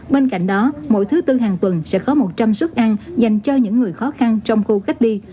bên cạnh đó mỗi thứ tư hàng tuần sẽ có một trăm linh suất ăn dành cho những người khó khăn trong khu cách ly